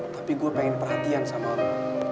tapi gue pengen perhatian sama orang